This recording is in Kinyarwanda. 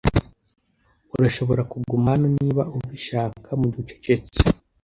Urashobora kuguma hano niba ubishaka, mugihe ucecetse.